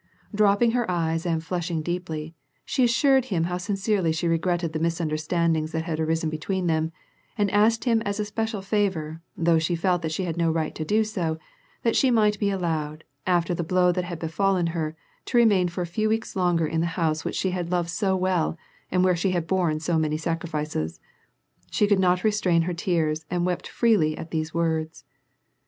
Dropping her eyes and flushing deeply, she assured him how ^ncerely she regretted the misunderstandings that had arisen between them, and asked him as a special favor,, though she felt that she had no right to do so, that she might be allowed, after the blow that had befallen her, to remain for a few weeks longer in the house which she had loved so well, and where she had borne so many sacriflces. She could not restrain her tears, and wept freely at these words.